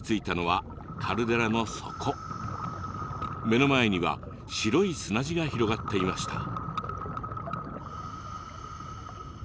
目の前には白い砂地が広がっていました。